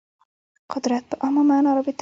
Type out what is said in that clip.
قدرت په عامه معنا رابطه وه